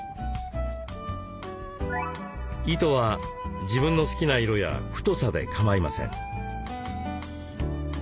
糸は自分の好きな色や太さで構いません。